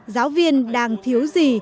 giáo viên đang thiếu gì